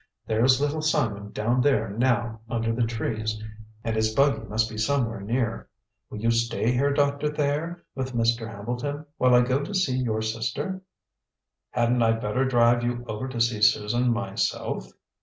"There's Little Simon down there now under the trees; and his buggy must be somewhere near. Will you stay here, Doctor Thayer, with Mr. Hambleton, while I go to see your sister?" "Hadn't I better drive you over to see Susan myself?"